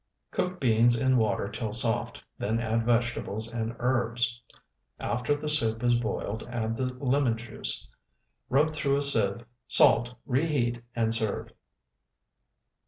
Cook beans in water till soft, then add vegetables and herbs; after the soup is boiled, add the lemon juice; rub through a sieve; salt, reheat, and serve.